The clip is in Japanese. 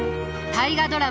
大河ドラマ